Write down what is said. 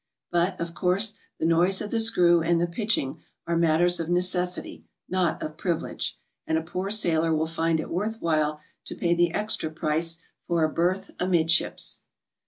But, of course, the noise of the screw and the pitching are matters of necessity, not of privilege, and a poor sailor will find it worth while to pay the extra price for a berth amidships.